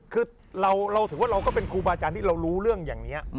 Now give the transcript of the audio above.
คือเราถือว่าเราก็เป็นครูบาอาจารย์ที่เรารู้เรื่องอย่างนี้